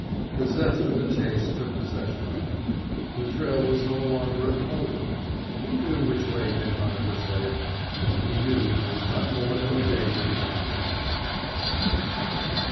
The zest of the chase took possession of him. The trail was no longer a "cold" one. He knew which way Binhart was headed. And he knew he was not more than a day behind his man.